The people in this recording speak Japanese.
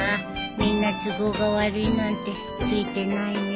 みんな都合が悪いなんてついてないね